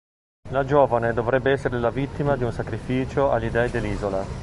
La giovane dovrebbe essere la vittima di un sacrificio agli dei dell'isola.